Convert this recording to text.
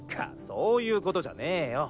そういうことじゃねぇよ。